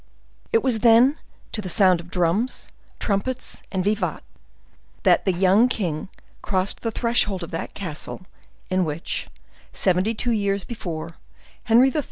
It was then to the sound of drums, trumpets, and vivats, that the young king crossed the threshold of that castle in which, seventy two years before, Henry III.